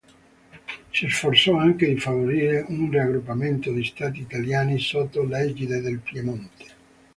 Si sforzò anche di favorire un raggruppamento di Stati italiani sotto l'egide del Piemonte.